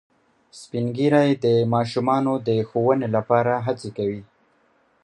سپین ږیری د ماشومانو د ښوونې لپاره هڅې کوي